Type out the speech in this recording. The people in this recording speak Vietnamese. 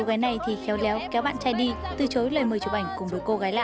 còn cô gái này thì khéo léo kéo bạn trai đi từ chối lời mời chụp ảnh cùng đôi cô gái lạ